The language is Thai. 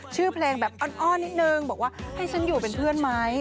ชื่อเพลงแบบอ้อนนิดนึงบอกว่าให้ฉันอยู่เป็นเพื่อนไหม